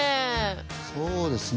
そうですね。